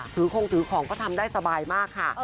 คงถือของก็ทำได้สบายมากค่ะ